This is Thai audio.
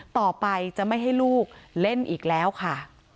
ต่อไปจะไม่ให้ลูกเล่นอีกแล้วค่ะ